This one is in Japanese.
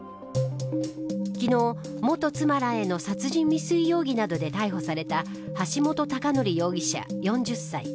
昨日、元妻らへの殺人未遂容疑で逮捕された橋本崇載容疑者４０歳。